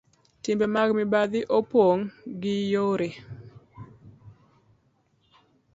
Timbe mag mibadhi opong ' gi yore